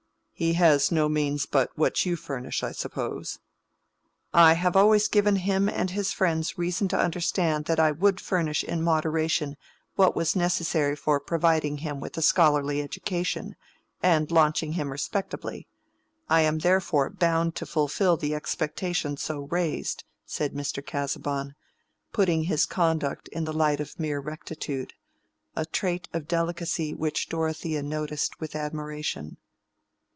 "He has no means but what you furnish, I suppose." "I have always given him and his friends reason to understand that I would furnish in moderation what was necessary for providing him with a scholarly education, and launching him respectably. I am therefore bound to fulfil the expectation so raised," said Mr. Casaubon, putting his conduct in the light of mere rectitude: a trait of delicacy which Dorothea noticed with admiration.